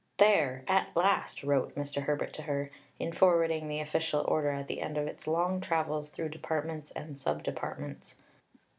"There! At last!" wrote Mr. Herbert to her, in forwarding the official order at the end of its long travels through departments and sub departments.